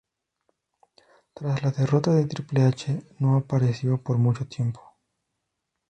Tras la derrota de Triple H, no apareció por mucho tiempo.